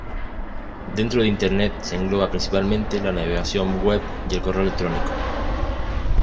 Dentro de Internet se engloba principalmente la navegación web y el correo electrónico.